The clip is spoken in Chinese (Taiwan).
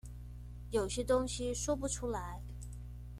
有些東西說不出來